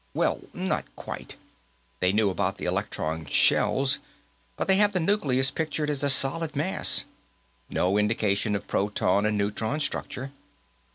"Well, not quite. They knew about electron shells, but they have the nucleus pictured as a solid mass. No indication of proton and neutron structure.